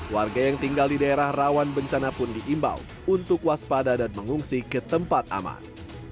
warga yang tinggal di daerah rawan bencana pun diimbau untuk waspada dan mengungsi ke tempat aman